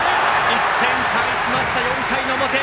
１点返しました、４回の表。